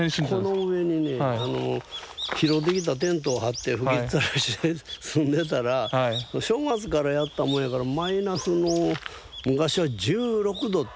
この上にね拾ってきたテントを張って吹きっさらしで住んでたら正月からやったもんやからマイナスの昔は１６度って。